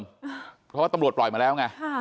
เพราะว่าตำรวจปล่อยมาแล้วไง